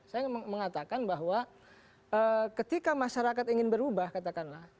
saya mengatakan bahwa ketika masyarakat ingin berubah katakanlah